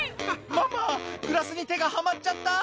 「ママグラスに手がはまっちゃった」